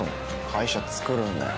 会社作るんだよ